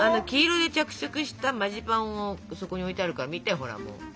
黄色で着色したマジパンをそこに置いてあるから見てほらもう。